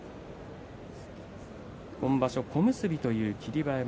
今場所、小結という霧馬山。